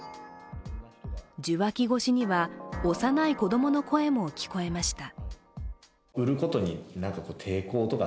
受話器越しには幼い子供の声も聞えました。